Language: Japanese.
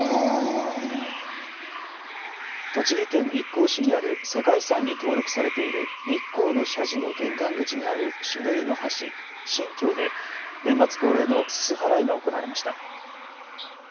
栃木県日光市にある世界遺産に登録されている日光の社寺の玄関口にある朱塗りの橋、神橋で年末恒例のすす払いが行われました。